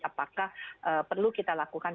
apakah perlu kita lakukan